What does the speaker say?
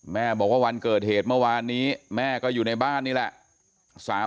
แม่บอกว่าวันเกิดเหตุเมื่อวานนี้แม่ก็อยู่ในบ้านนี่แหละ